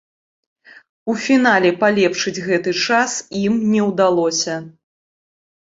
У фінале палепшыць гэты час ім не ўдалося.